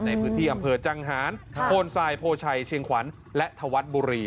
ในพื้นที่อำเภอจังหารโพนทรายโพชัยเชียงขวัญและธวัฒน์บุรี